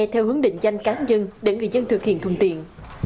theo hướng định danh cá nhân để người dân thực hiện thuận tiện